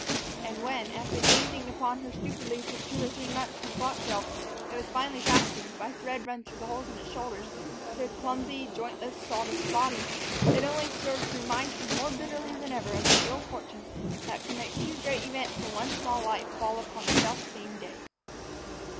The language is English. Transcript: And when, after gazing down upon her stupidly for two or three months from the clock shelf, it was finally fastened, by thread run through the holes in its shoulders, to a clumsy, jointless, sawdust body, it had only served to remind her more bitterly than ever of the ill fortune that could make two great events in one small life fall upon the selfsame day.